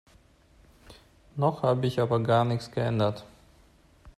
Noch habe ich aber gar nichts geändert.